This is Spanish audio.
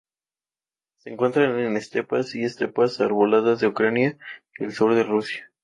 Se encuentra en estepas y estepas arboladas de Ucrania y el sur de Rusia.